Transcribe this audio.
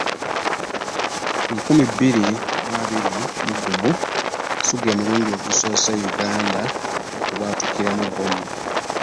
nkumi biri mu abiri mu gumu si gwe mulundi ogusoose uganda okubwatukiramu bbomu .